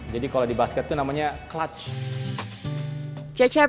jadi kalau di basket tuh namanya clutch